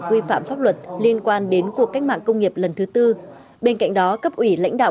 quy phạm pháp luật liên quan đến cuộc cách mạng công nghiệp lần thứ tư bên cạnh đó cấp ủy lãnh đạo